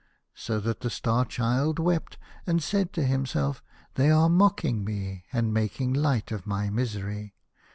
" so that the Star Child wept, and said to himself, " They are mocking me, and making light of my misery."